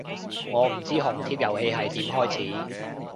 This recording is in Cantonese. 我唔知紅帖遊戲係點開始